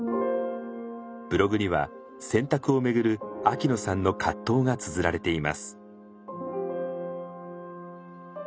ブログには選択をめぐる秋野さんの葛藤がつづられています。